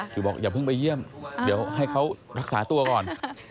คือบอกอย่าเพิ่งไปเยี่ยมเดี๋ยวให้เขารักษาตัวก่อน